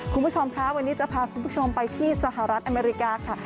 คุณผู้ชมคะวันนี้จะพาคุณผู้ชมไปที่สหรัฐอเมริกาค่ะ